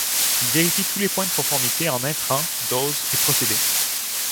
Il vérifie tous les points de conformité en intrants, doses et procédés.